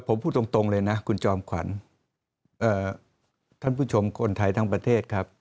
ผมพูดตรงเลยนะคุณจอมขวัญท่านผู้ชมคนไทยทั้งประเทศครับ